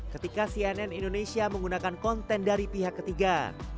ketika cnn indonesia menggunakan konten dari pihak ketiga